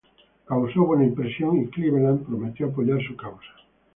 Causó buena impresión y Cleveland prometió apoyar su causa.